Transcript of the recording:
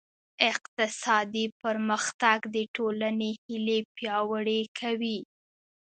اقتصادي پرمختګ د ټولنې هیلې پیاوړې کوي.